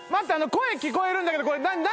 声聞こえるんだけどこれ何？